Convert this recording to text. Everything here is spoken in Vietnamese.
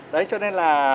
đấy cho nên là